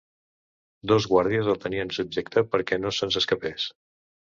Dos guàrdies el tenien subjecte perquè no se'ns escapés.